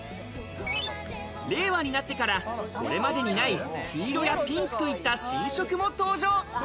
令和になってから、これまでにない、黄色やピンクといった新色も登場。